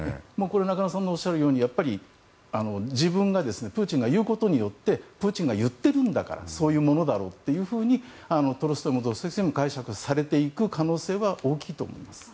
これ中野さんがおっしゃるようにプーチンが言うことによってプーチンが言っているんだからそういうものだろうとトルストイもドストエフスキーも解釈されていく可能性は大きいと思います。